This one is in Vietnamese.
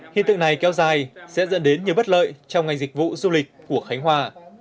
hiện tượng này kéo dài sẽ dẫn đến nhiều bất lợi trong ngành dịch vụ du lịch của khánh hòa